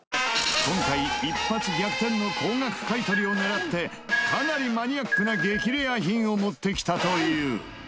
今回一発逆転の高額買い取りを狙ってかなりマニアックな激レア品を持ってきたという。